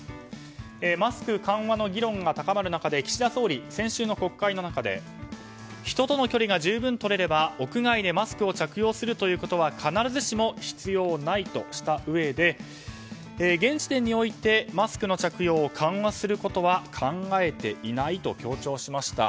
マスク緩和の議論が高まる中で岸田総理、先週の国会の中で人との距離が十分とれれば屋外でマスクを着用するということは必ずしも必要ないとしたうえで現時点において、マスクの着用を緩和することは考えていないと強調しました。